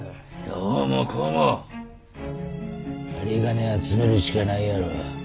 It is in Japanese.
どうもこうも有り金集めるしかないやろう。